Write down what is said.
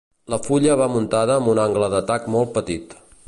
La fulla va muntada amb un angle d'atac molt petit.